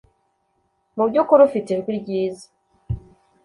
Mubyukuri ufite ijwi ryiza